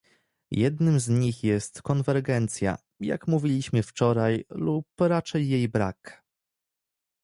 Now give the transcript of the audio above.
Jednym z nich jest konwergencja - jak mówiliśmy wczoraj - lub raczej jej brak